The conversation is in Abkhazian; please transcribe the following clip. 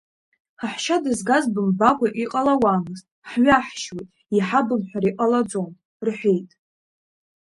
Ҳаҳәшьа дызгаз бымбакәа иҟалауамызт, ҳҩаҳшьуеит, иҳабымҳәар иҟалаӡом, — рҳәеит.